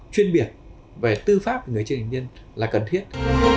chuyên biệt về tư pháp người chưa thành niên là cần thiết